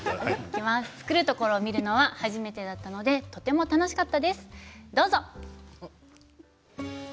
作るところを見るのは初めてだったのでとても楽しかったです、どうぞ。